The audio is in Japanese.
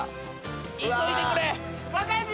・急いでくれ！